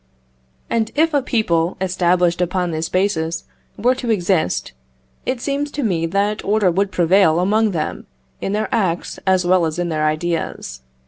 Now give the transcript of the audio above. And if a people established upon this basis were to exist, it seems to me that order would prevail among them in their acts as well as in their ideas.